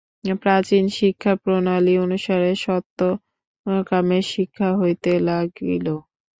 প্রাচীন শিক্ষাপ্রণালী অনুসারে সত্যকামের শিক্ষা হইতে লাগিল।